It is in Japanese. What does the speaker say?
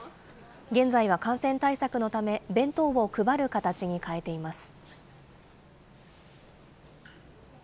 現在は感染対策のため、弁当を配る形に変えています。